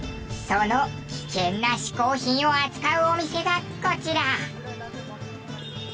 その危険な嗜好品を扱うお店がこちら！